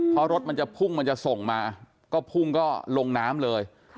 เพราะรถมันจะพุ่งมันจะส่งมาก็พุ่งก็ลงน้ำเลย